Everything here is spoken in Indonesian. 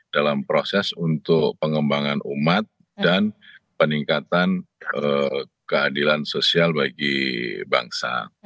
dalam proses untuk pengembangan umat dan peningkatan keadilan sosial bagi bangsa